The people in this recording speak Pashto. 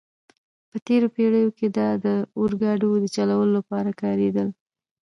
په تېرو پېړیو کې دا د اورګاډو د چلولو لپاره کارېدل.